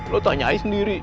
lo tanyain sendiri